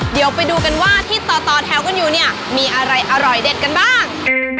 เดี๋ยวไปดูกันว่าที่ต่อแถวกันอยู่เนี่ยมีอะไรอร่อยเด็ดกันบ้าง